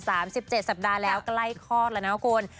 ๓๗สัปดาห์แล้วกล้ายคลอดแล้วนะครับคน